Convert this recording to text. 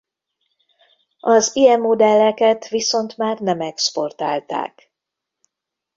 Az ilyen modelleket viszont már nem exportálták.